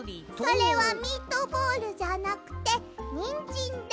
それはミートボールじゃなくてにんじんです。